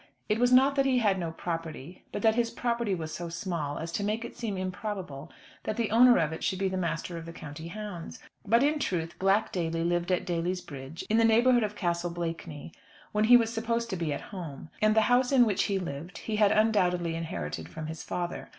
It was not that he had no property, but that his property was so small, as to make it seem improbable that the owner of it should be the master of the county hounds. But in truth Black Daly lived at Daly's Bridge, in the neighbourhood of Castle Blakeney, when he was supposed to be at home. And the house in which he lived he had undoubtedly inherited from his father.